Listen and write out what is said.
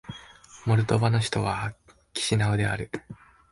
モルドバの首都はキシナウである